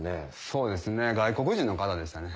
そうですね外国人の方でしたね。